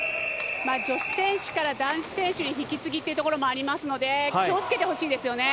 女子選手から男子選手に引き継ぎというところもありますので気をつけてほしいですよね。